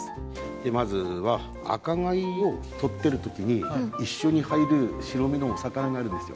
まずは赤貝を取ってる時に一緒に入る白身のお魚があるんですよ